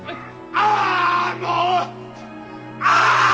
ああもう！